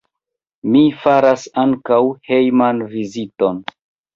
Mi faras ankaŭ hejman viziton.